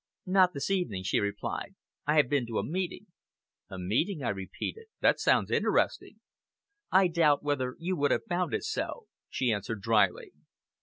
"Not this evening," she replied; "I have been to a meeting." "A meeting!" I repeated; "that sounds interesting!" "I doubt whether you would have found it so," she answered dryly.